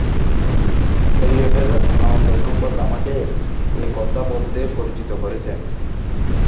হ্যারিয়েটের আনন্দসংবাদ আমাকে এ-কথা বলতে প্ররোচিত করেছে।